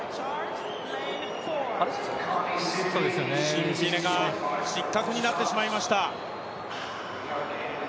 シンビネが失格になってしまいました。